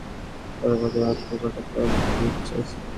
তারা শুধু মায়ার বিরুদ্ধে মামলা করার মাধ্যমে ঘটনা ধামাচাপা দিতে চাইছে।